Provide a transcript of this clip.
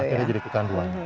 dan akhirnya jadi kecanduan